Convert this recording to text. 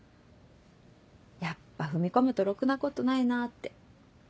やっぱ踏み込むとろくなことないなって。